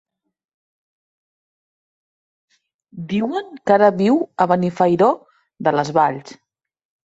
Diuen que ara viu a Benifairó de les Valls.